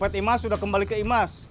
dompet imas udah kembali ke imas